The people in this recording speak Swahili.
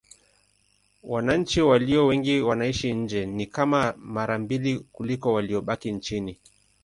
Wananchi walio wengi wanaishi nje: ni kama mara mbili kuliko waliobaki nchini.